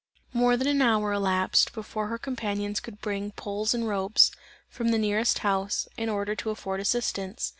More than an hour elapsed, before her companions could bring poles and ropes, from the nearest house, in order to afford assistance.